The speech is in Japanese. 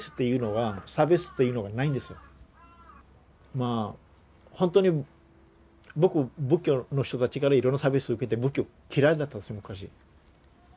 まあほんとに僕仏教の人たちからいろいろな差別受けて仏教嫌いだったんですよ昔。